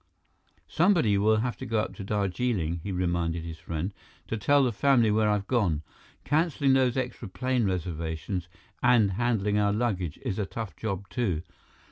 "Somebody will have to go up to Darjeeling," he reminded his friend, "to tell the family where I've gone. Canceling those extra plane reservations and handling our luggage is a tough job, too.